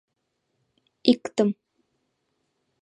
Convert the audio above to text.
— Иктым...